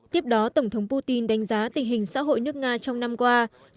tiếp đó tổng thống putin đánh giá tình hình xã hội nước nga trong năm qua